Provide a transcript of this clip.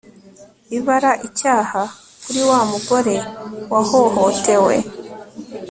ibara icyaha kuri wa mugore wahohotewe